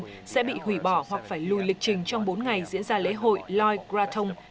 đã bị hủy bỏ hoặc phải lùi lịch trình trong bốn ngày diễn ra lễ hội loy krathong